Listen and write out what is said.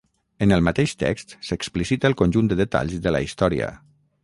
En el mateix text s’explicita el conjunt de detalls de la història.